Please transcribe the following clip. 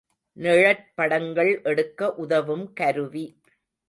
நிழற்படங்கள் எடுக்க உதவும் கருவி.